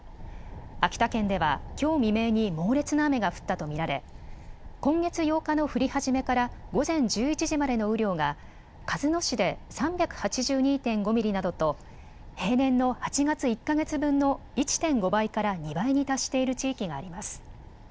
秋田県ではきょう未明に猛烈な雨が降ったと見られ今月８日の降り始めから午前１１時までの雨量が鹿角市で３８２．５ミリなどと平年の８月１か月分の１．５倍から２倍に達している地域があります。